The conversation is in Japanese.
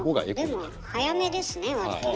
でも早めですね割とね。